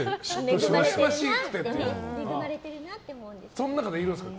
その中でいるんですか？